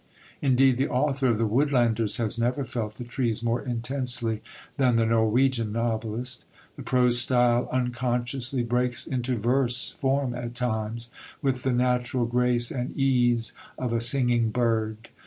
Indeed, the author of The Woodlanders has never felt the trees more intensely than the Norwegian novelist. The prose style unconsciously breaks into verse form at times, with the natural grace and ease of a singing bird.